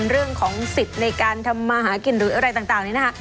เรื่องของสิทธิ์ในการทำมาหากินหรืออะไรต่างนี้นะคะ